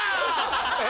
え？